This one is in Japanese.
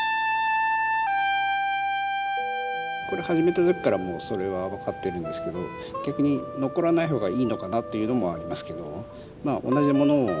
これ始めた時からもうそれは分かってるんですけど逆に残らない方がいいのかなというのもありますけども。